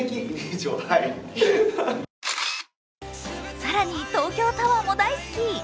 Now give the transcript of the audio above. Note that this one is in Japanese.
更に、東京タワーも大好き。